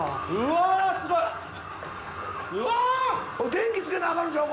電気つけなあかんとちゃうか。